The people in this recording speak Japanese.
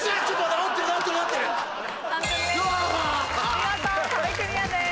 見事壁クリアです。